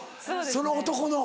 その男の。